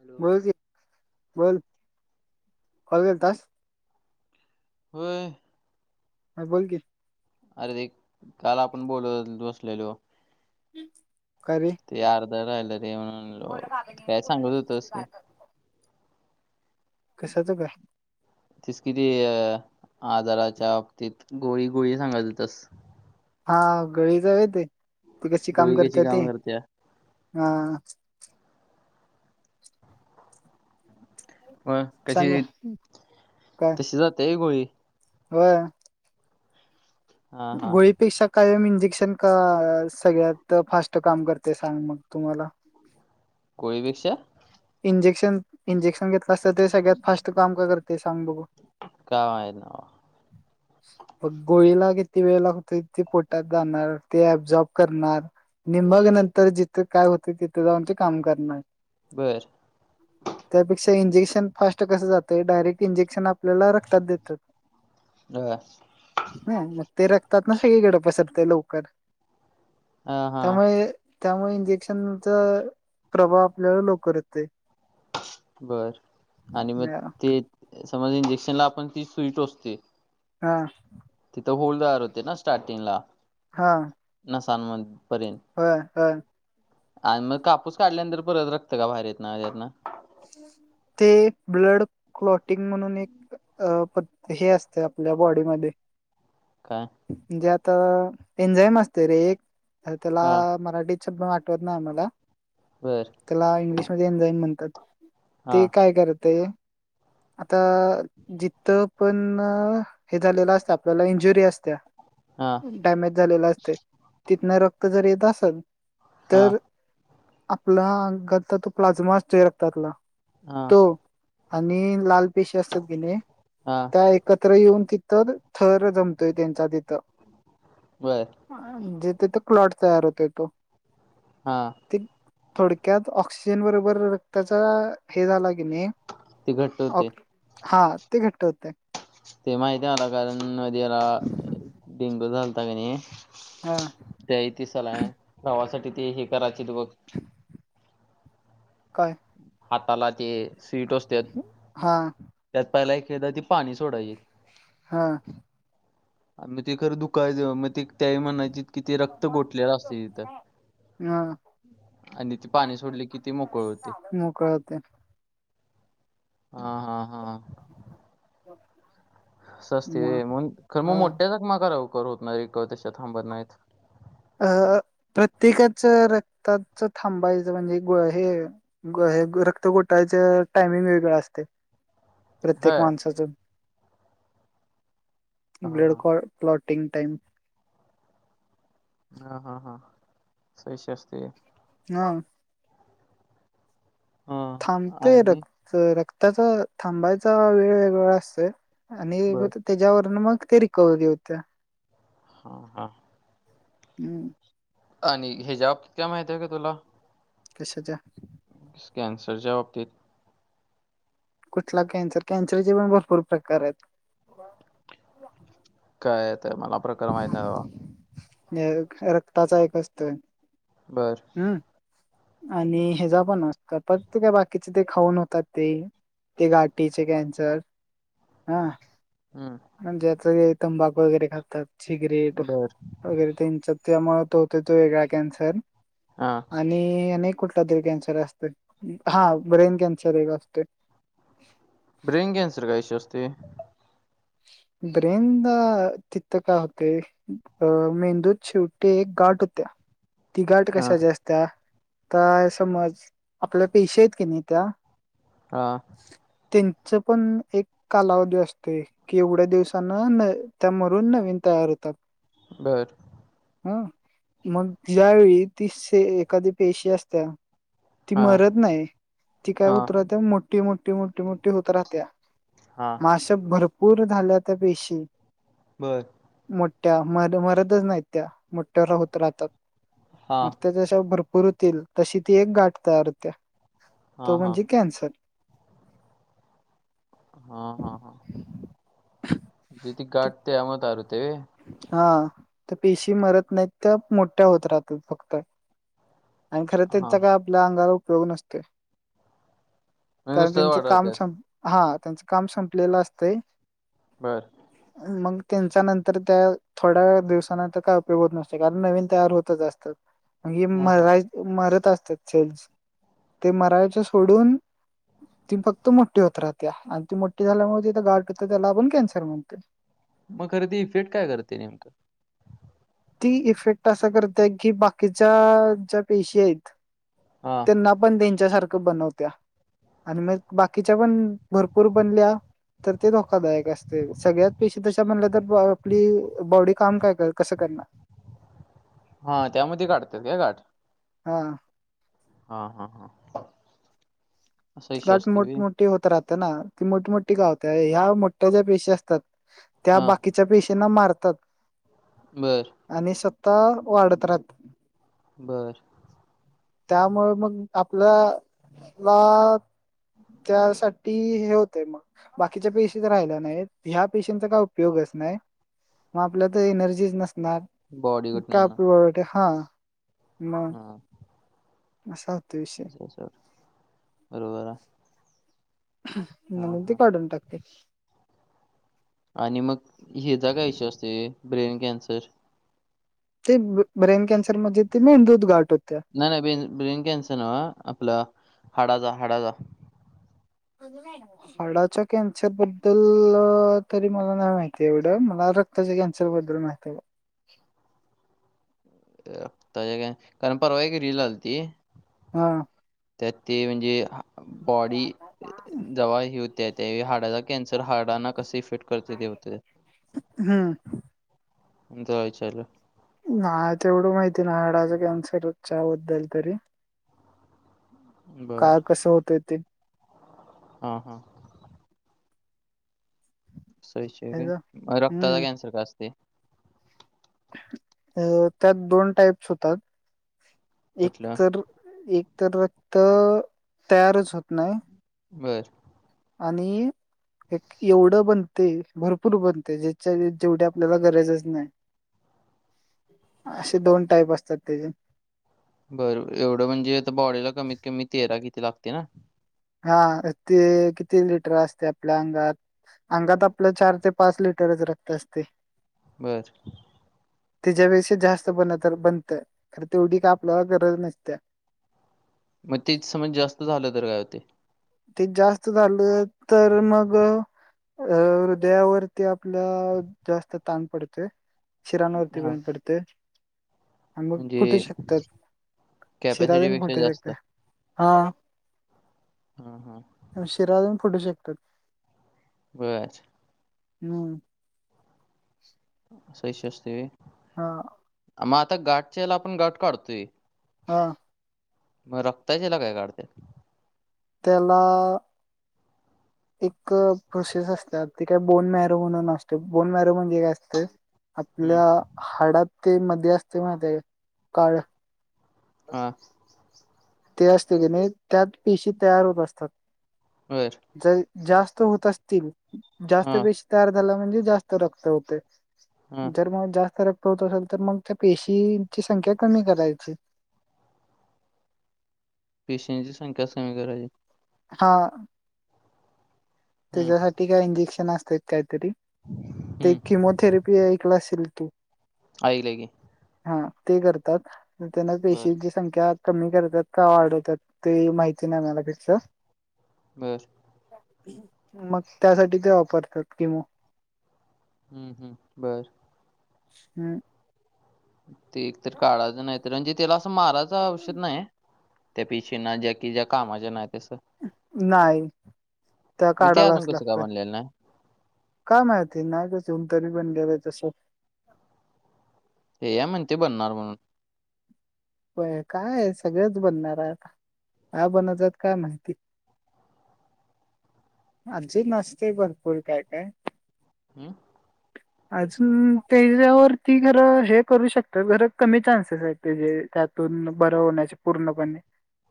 Hello. बोलकी बोल call केलतास होय ह बोल की अरे ते काल आपण बोलत बसलेलो काय रे ते आर्ध राहील म्हणून [inaudible] कशाच ग तेच कि ते अ आजाराच्या बाबतीत गोळी गोळी सांगात हुतस हा गळी जावते ते कशी काम करते ते हा म कशी सांग काय तशी जातय होय गोळी. होय हा हा गोळीपेक्षा कायम इंजेक्शन का सगळ्यात फास्ट काम करते सांग मग तु मला [unintelligible] इंजेक्शन... इंजेक्शन घेतलं तसं ते सगळ्यात फास्ट काम का करते सांग बघू? काम आहे ना मग गोळीला किती वेळ लागतोय, ते पोटात जाणार, ते अब्सॉर्ब करणार नि मग नंतर, जिथं काय होतं, तिथं जाऊन ते काम करणार. बरं. त्यापेक्षा इंजेक्शन फास्ट कसं जातंय, डायरेक्ट इंजेक्शन आपल्याला रक्तात देतात. बर. नाही... मग ते रक्तातनं सगळीकडे पसरते लवकर. हा हा त्यामुळे... त्यामुळे इंजेक्शनचं प्रभाव आपल्याला लवकर ये ते. बर... आणि मग ते समज इंजेक्शनला आपण तीच सुई टोचतोय हा. तिथं होल तयार होते ना स्टार्टिंग ला हा. नसान म पर्यंत होय... होय. आणि मग कापूस काढल्यानंतर परत रक्त का बाहेर येत नाय त्यातनं [unintelligible] ते ब्लड क्लॉटिंग म्हणून एक अ... पण हे असतं आपल्या बॉडीमध्ये का. म्हणजे आता एंजाईम असते रे एक... तर त्याला हा मराठीत शब्द आठवत नाही मला बर त्याला इंग्लिशमध्येध्ये एनझाईम म्हणतात. हा ते काय करतय आता.. जिथं पण हे झालेलं असतं. आपल्याला इंजुरी असती हा डॅमेज झालेलं असतय, तिथनं रक्त जर येत असल हा तर आपला [unintelligible] प्लाजमा असतोय रक्तातला हा तो आणि लाल पेशी असतात की नई हा. त्या एकत्र येऊन तिथं, थर जमतोय त्यांचा तिथं बरं. जिथं ते क्लॉट तयार होतंय तो हा. ते थोडक्यात ऑक्सिजन बरोबर रक्ताचा, हे झाला की नई ते घट्ट ऑ... होते हा ते घट्ट होतेय. ते माहितिये मला, कारण मधी मला डेंगू झालता की नई हा. त्या इथं सलायन, लावासाठी ते हे करायचेत बघ [unintelligible] काय? हाताला ते सुई टोचत्यात, हा त्यात पहिला एक, एकदा ते पाणी सोडायचे. हा. मग ते खरं दुखायचं, मग ते त्यायेळी म्हणायची कि रक्त गोठलेलं असतय तिथं हा आणि ती पाणी सोडली कि ती मोकळं होतंय. मोकळं होतंय. हा हा हा सस्ते म मग खर हा मग मोठ्या जकमा करा कर होतणार रे त्याच्यात थांबत नाहीत. अ प्रत्येकाच रक्ताच थांबायचं म्हणजे गुळ हे- - हे रक्त गोटाळच टायमिंग वेगळं असतयं. प्रत्येक होय. माणसाचं. हां, ब्लड हां. Clotting time. हा, हा, हा. सश अस असते. हा. हां थांबते आणि रक्त रक्ताचा थांबायचा वेळ वेगळा असतय. आणि बरं. त्याच्यावरून मग ते रिकव्हरी होत्या. ह हा. हम्म. आणि हे [unintelligible] कितक्या माहिती हाय का तुला? कशाच्या? कॅन्सरच्या बाबतीत कुठला कॅन्सर? कॅन्सरचे पण भरपूर प्रकार आहेत. कायेत मला प्रकार माहित नाही बाबा. रक्ताचा एक असतो. बरं. हम् आणि ह्याचा पण असत प्रत्येका बाकीचे ते खाऊन होतात ते ते गाठीचे कॅन्सर. हा. हम्म. म्हणजेच तंबाखू वगैरे खातात. सिगरेट बरं. वगैरे त्यांच्या त्यामुळे तो होते तो वेगळा कॅन्सर. हा. आणि अनेक कुठला तरी कॅन्सर असतोय. हा ब्रेन कॅन्सर एक असतोय. ब्रेन कॅन्सर काय इशु असतोय. ब्रेन दा तिथं का होतयं? अ मेंदूत शेवटी एक गाठ होत्या ती गाठ हां, कशाची अ - - त्या तर समज आपल्या पेशी हाईत कनी त्या ह. त्यांच पण एक कालावधी असतोय. कि एवढ्या दिवसांना न त्या मरून नवीन तयार हो त्यात. बरं. हा मग ज्यावेेळी तीे एखादी पेशी असत्या - - ती हां, मरत नाही ती काय हां, उतरहते मोठी मोठी मोठी मोठी होत राह त्या. हां. म अशा भरपूर झाल्या त्या पेशी. बरं. मोठ्या म मरदच नाहीत त्या मोठ्यावर होत राहतात. हां, मग त्याच्याश भरपूर होतील तशी ती एक गाठ तयार होत्या. तो हां, हां. म्हणजे कॅन्सर. हा, हा, हा. [unintelligible] ती गाठ त्याच्या मुळे तयार होत्या व्हयं. हा तर पेशी मरत नाहीत तर, मोठ्या होत राहतात फक्त. आणि खरं त्यांचा हां. काय आपल्या अंगाला उपयोग नसतोय. म्हणजे कारण नुसतंच त्यांच वाढत काम राहतात. सं हा त्यांचं काम संपलेलं असतयं. बरं. मग त्यांच्यानंतर - - तर त्या थोड्या दिवांना तर काय उपयोग होत नसते कारण नवीन तयार होतच असतात. म्हणे हां, हां. मरा मरत असतात सेल्स ते मरायचे सोडून - - ती फक्त मोठी होत राहत्या आणि ती मोठी झाल्यामुळे तिथे गाठ होत त्याला आपण कॅन्सर म्हणतोय. मग खरेदी इफेट काय करते नेमकं? ती इफेक्ट असा करतय की बाकीच्या ज्या पेशी आहेत हां ना पण त्यांच्या सारख बनवत्या आणि मग बाकीच्या पण भरपूर बनल्या तर ते धोकादायक असते सगळ्यात पेशी त्याच्या म्हणल्या तर आपली बॉडी काम काय कर कसं करण हा त्यामध्ये काढतात काय काठ हा हा हा हा असा ती विषय गाठ असते बी मोठमठी होत राहतें ना ती मोठी मोठी गावते ह्या मोठ्या ज्या पेशी असतात त्या हा बाकीच्या पेश्यांना मारतात बर आणि स्वतः वाढत राहात बरं त्यामुळे मग आपल्या ला त्यासाठी हे होतें मग बाकीच्या पेशीच राहिल्या नाही ह्या पेशींचा काय उपयोगच नाही मग आपल्या तर एनर्जीच नसणार बॉडी कुठून का येणार आपली वळट हा म हा सवत विष त्यासर बरोबर हा म्हणून ते हा काढून टाकते आणि मग ह्याचा काय इश्यू असते ब्रेन कॅन्सर ते ब्रेन कॅन्सरमध्येध्ये ते मेन दूध गाठ होत्या नाही नाही बेन ब्रेन कॅन्सर ना आपला हाडाचा हाडाचा हडाच्या कॅन्सर बद्दल तरी मला नाही माहिती एवढं मला रक् मज अनस बदल माहत काय कारण परवा की रि लाल ती हा त्यात ते म्हणजे बॉडी दवा ही होते त्या हारडाचा कॅन्सर हारडाना कस इफेक्ट करते तेते हम्म चाल नाही ते एवढं माहिती ना हडाचा कॅन्सरच्याबद्दल तरी बर काय कसं होतंय ते हा हा सयश ह्याचं. मग रक्ताचा हम्म कॅन्सर का असते अ त्यात दोन टाईप्स होतात एक कुठलं तर एक तर रक्त तयारच होत नाही बरं आणि एक एवढं बनते भरपूर बनते ज्याच्या जेवढी आपल्याला गरजच नाही असे दोन टाईप असतात त्याचे बरोर एवढं म्हणजे आता बॉडीला कमीत कमी तेरा किती लागते ना हा ते किती लिटर असते आपल्या अंगात अंगात आपलं चार ते पाच लिटरच रक्त असते बरं त्याच्यापेक्षा जास्त बन तर बनतं कार तेवढी का आपल्याला गरज नसते मग तेथ समज जास्त झालं तर काय होते ते जास्त झालं तर मग अ हृदयावरती आपल्या जास्त ताण पडतोय शिराांवरती हा बंद पडते ते मग म्हणजे फुटू शकतात शिराला प कॅपॅसिटीपेक्षा फुट शकत जास्त हा हम्म हम्म शिरा अजून फुटू शकतात. बर हम्म [unintelligible] हा मग आता गाठच्याला आपण गाठ काढतोय. हा मग रक्ताच्या याला काय काढत्या. त्याला एक प्रोसेस असते. ते काय बोन मॅरो म्हणून असते बोन मॅरो म्हणजे काय असतं हम्म, आपल्या हाडात ते मध्ये असते म ते काळ हम्म ते असते की नाही, त्यात पिशी तयार होत असतात. बर ज जास्त होत असतील. जास्त हा पेशी तयार झाला म्हणजे जास्त रक्त होते. हा जर मग जास्त रक्त होत असेल तर मग त्या पेशींची संख्या कमी करायची. पेशंटची संख्याच कमी करायची. हा हम्म त्याच्यासाठी काय इंजेक्शन असतात. काहीतरी ते हम्म किमोथेरपी ऐकलं असेल तू. आई इला घे. हा ते करतात. त्यांना बर पेशी दिस संख्या कमी करतात का वाढवतात. ते माहिती नाही मला त्याच. बर मग त्यासाठी ते वापरतात किमो. हम्म हम्म बरं. हम्म ते एकतर काढायचं नाही तर म्हणजे त्याला असं मारायचं औषध नाही. त्या पिशी ना ज्या कि ज्या कामाच्या नाहीत अस नाही त्या मग ते काढायलाच अजून कसं काय लागत. बनलेलं नाही का माहीती. नाही काचऊन तरी पण गेलंय तसं. हे या म्हणते बनणार म्हणून. प काय सगळंच बनणार आहे आता. ह बनतात काय माहिती. अजी नस्ते भरपूर काय काय हम्म अजून त्याच्यावरती खरं हे करू शकते. तर खर कमी चान्सेस आहेत त्या जे त्यातून बरं होण्याचे पूर्णपणे.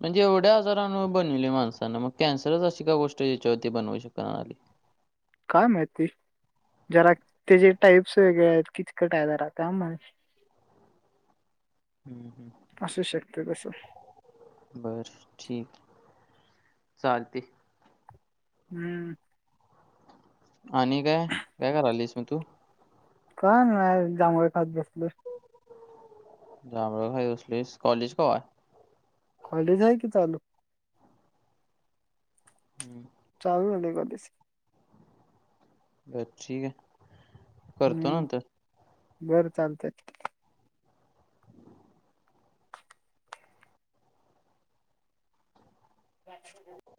म्हणजे एवढ्या आजारान बनविले माणसांन मग कॅन्सरच अशी का गोष्ट याच्यावरती बनवू शकणार आली काय माहिती. जरा त्याचे टाईप्स वेगळे आहेत. किचकट आहे जरा काय मा [inaudible] हम्म हम्म असू शकते तसं बर ठीक आहे चालते. हम्म आणि काय, काय कारायलीस म तु. काय नाही जामुळे खात बसलोय. जांभळ खात बसलीस कॉलेज कवा आहे. कॉलेज आहे की चालु. हम्म चालू झाली कॉलेज. बर ठीकाय हम्म बरं चालतय [unintelligible]